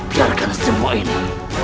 biarkan semua ini